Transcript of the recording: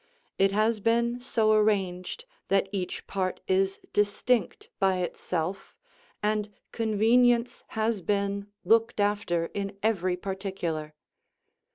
It has been so arranged that each part is distinct by itself, and convenience has been looked after in every particular.